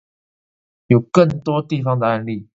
或有更多地方的案例